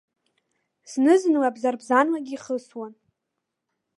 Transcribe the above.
Зны-зынла бзарбзанлагьы ихысуан.